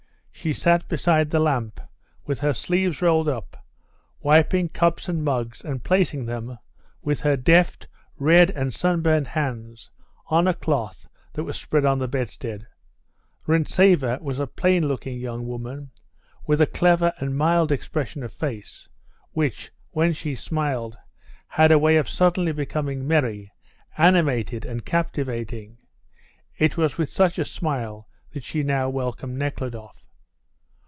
She sat beside the lamp, with her sleeves rolled up, wiping cups and mugs, and placing them, with her deft, red and sunburnt hands, on a cloth that was spread on the bedstead. Rintzeva was a plain looking young woman, with a clever and mild expression of face, which, when she smiled, had a way of suddenly becoming merry, animated and captivating. It was with such a smile that she now welcomed Nekhludoff.